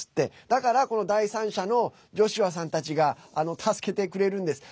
だから、この第三者のジョシュアさんたちが助けてくれるんです。